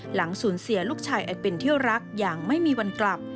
หลังสูญเสียลูกชายอันเป็นเที่ยวรักอย่างไม่มีวันกลับ